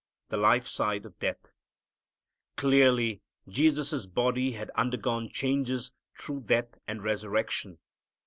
The Life Side of Death. Clearly Jesus' body had undergone changes through death and resurrection.